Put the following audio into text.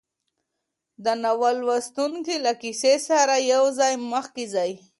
د ناول لوستونکی له کیسې سره یوځای مخکې ځي.